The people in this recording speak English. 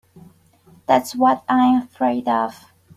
That's what I'm afraid of.